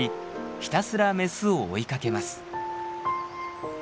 ひたすらメスを追いかけます。